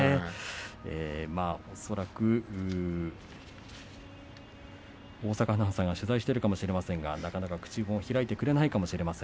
恐らく大坂アナウンサーが取材しているかもしれませんが、なかなか口を開いてくれないかもしれません。